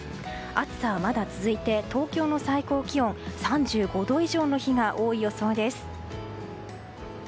暑さはまだ続いて東京の最高気温は３５度以上の日が多い予想です。